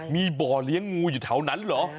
มีบ่อเลี้ยงงูอยู่แถวนั้นเหรอ